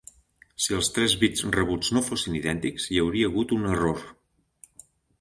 Si els tres bits rebuts no fossin idèntics, hi hauria hagut un error.